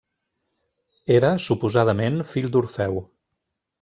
Era, suposadament, fill d'Orfeu.